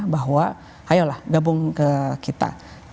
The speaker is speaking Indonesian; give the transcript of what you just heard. bahwa ayolah gabung ke kita